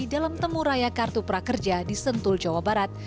dalam temuraya kartu prakerja di sentul jawa barat